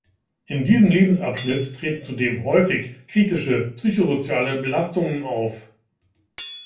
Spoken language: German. In diesem Lebensabschnitt treten zudem häufig kritische psychosoziale Belastungen auf.